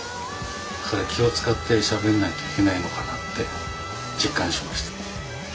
だから気を遣ってしゃべんないといけないのかなって実感しました。